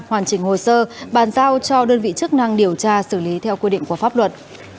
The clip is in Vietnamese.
hoàn chỉnh hồ sơ bàn giao cho đơn vị chức năng điều tra xử lý theo quy định của pháp luật